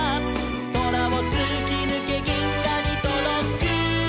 「そらをつきぬけぎんがにとどく」